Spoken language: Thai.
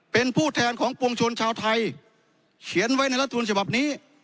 เป็นผู้แทนของปวงชนชาวไทยเขียนไว้ในรัฐวนฉบับนี้